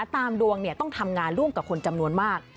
ตามดวงต้องทำงานร่วมกับคนจำนวนมาก